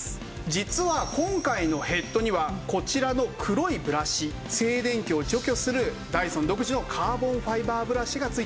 実は今回のヘッドにはこちらの黒いブラシ静電気を除去するダイソン独自のカーボンファイバーブラシが付いています。